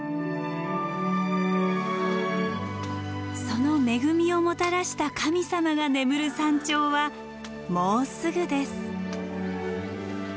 その恵みをもたらした神様が眠る山頂はもうすぐです。